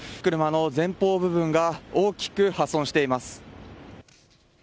車の前方部分が大きく破損しています。